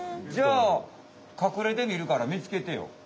じゃあ隠れてみるから見つけてよ。